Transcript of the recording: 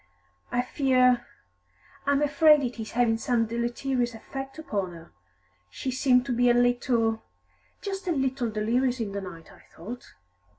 I fear I am afraid it is having some deleterious effect upon her; she seemed to be a little just a little delirious in the night, I thought."